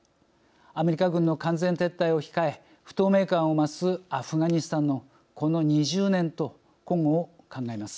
アメリカ軍の完全撤退を控え不透明感を増すアフガニスタンのこの２０年と今後を考えます。